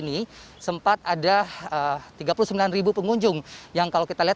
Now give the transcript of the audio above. tiga puluh sembilan ribu pengunjung yang kalau kita lihat